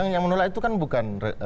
yang menolak itu kan bukan